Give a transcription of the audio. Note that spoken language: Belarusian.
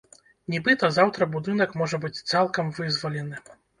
Нібыта, заўтра будынак можа быць цалкам вызвалены.